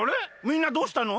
みんなどうしたの？